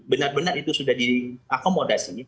benar benar itu sudah diakomodasi